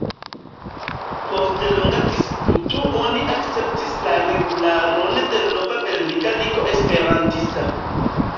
Post longa diskuto oni akceptis la regularon de nova Belga Ligo Esperantista.